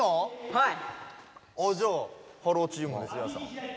はい！